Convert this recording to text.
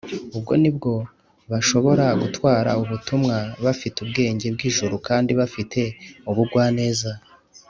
ubwo ni bwo bashobora gutwara ubutumwa bafite ubwenge bw’ijuru kandi bafite ubugwaneza